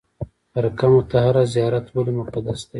خرقه مطهره زیارت ولې مقدس دی؟